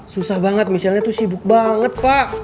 susah banget michelle itu sibuk banget pak